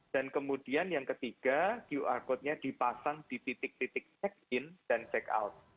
kemudian yang ketiga qr code nya dipasang di titik titik check in dan check out